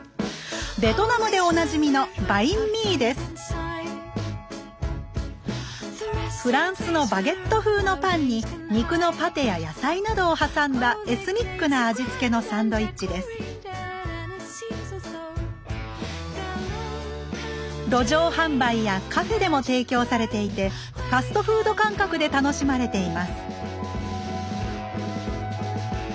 ベトナムでおなじみのフランスのバゲット風のパンに肉のパテや野菜などを挟んだエスニックな味付けのサンドイッチです路上販売やカフェでも提供されていてファストフード感覚で楽しまれています